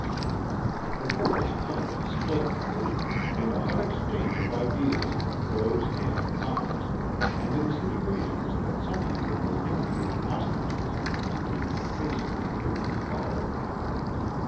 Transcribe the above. The colonel's comments split the group, and a hot exchange of ideas, pros and cons, and insinuations that some people were imitating ostriches to keep from facing the truth followed.